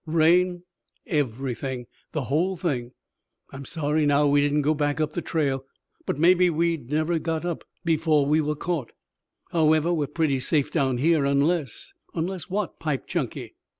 "Rain?" "Everything. The whole thing. I'm sorry now that we didn't go back up the trail, but maybe we'd never got up before we were caught. However, we're pretty safe down here, unless " "Unless what?" piped Chunky.